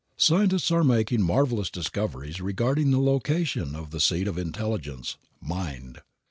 Scientists are making marvelous discoveries regarding the location of the seat of intelligence, mind.